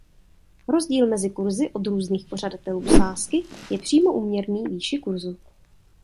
Rozdíl mezi kurzy od různých pořadatelů sázky je přímo úměrný výši kurzu.